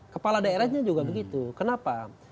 kepala daerahnya juga begitu kenapa